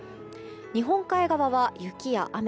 日本海側は雪や雨。